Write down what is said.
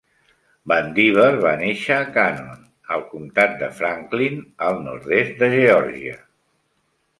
Vandiver va néixer a Canon, al comtat de Franklin, al nord-est de Geòrgia.